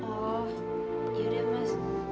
oh yaudah mas